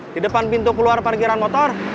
di depan pintu keluaran gajaran motor